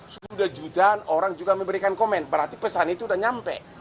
sudah jutaan orang juga memberikan komen berarti pesan itu sudah nyampe